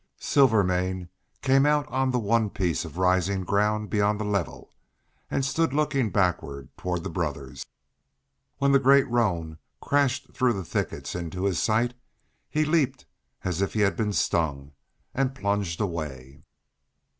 Silvermane came out on the one piece of rising ground beyond the level, and stood looking backward toward the brothers. When the great roan crashed through the thickets into his sight he leaped as if he had been stung, and plunged away.